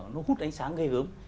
nó hút ánh sáng gây hướng